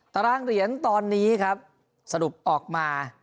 ตารางเหรียญตอนนี้ครับสรุปออกมา